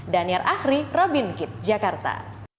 daniar ahri robin kit jakarta